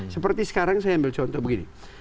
seperti sekarang saya ambil contoh begini